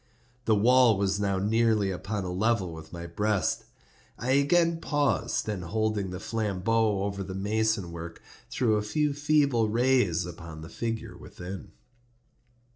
The wall was now nearly upon a level with my breast. I again paused, and holding the flambeaux over the mason work, threw a few feeble rays upon the figure within.